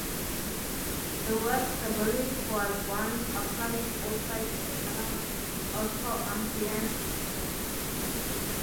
The word "Sabellic" was once applied to all such minor languages, Osco-Umbrian or not.